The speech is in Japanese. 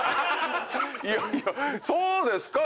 いやいやそうですか？